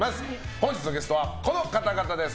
本日のゲストはこの方々です。